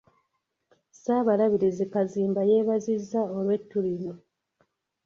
Ssaabalabirizi Kazimba yeebazizza olw'ettu lino .